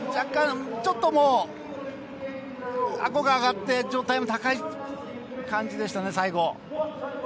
ちょっとあごが上がって上体も高い感じでしたね、最後。